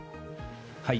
はい。